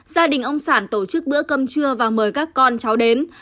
gia đình ông sản tổ chức bữa cơm trưa và mời các con cháu đến